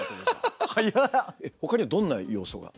ほかにはどんな要素が？